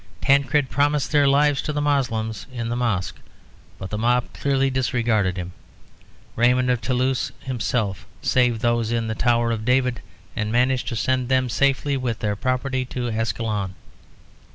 Tancred promised their lives to the Moslems in the mosque, but the mob clearly disregarded him. Raymond of Toulouse himself saved those in the Tower of David, and managed to send them safely with their property to Ascalon.